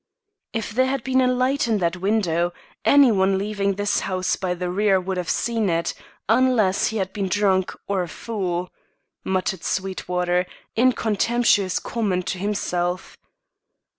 "If there had been a light in that window, any one leaving this house by the rear would have seen it, unless he had been drunk or a fool," muttered Sweetwater, in contemptuous comment to himself.